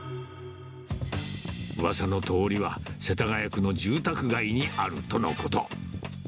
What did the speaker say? うわさの通りは、世田谷区の住宅街にあるとのこと。